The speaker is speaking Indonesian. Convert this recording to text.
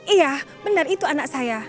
iya benar itu anak saya